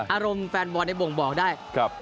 อารมณ์แฟนบอลในบ่งบอกได้